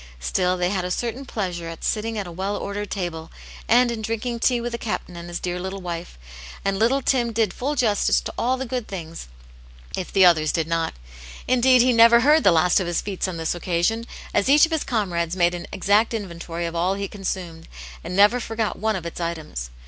Still they \\ad a c^ict^ltv pleasure fn sitting at a v^^ell ordered taUe, atvd m d.t\tC«:\tv^V^^ A tint Jane's Hero. 13^ with "the Cap'n" and his dear little wife ; and little Tim did full justice to all the good things, if the others did not. Indeed, he never heard the last o^ his feats on this occasion, as each of his comrades made an exact inventory of all he consumed, ancP never forgot one of its items.